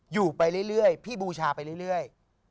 อยู่ไปเรื่อยพี่บูชาไปเรื่อย